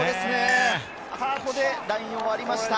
ここでラインを割りました。